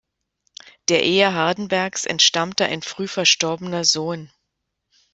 Der Ehe Hardenbergs entstammte ein früh verstorbener Sohn.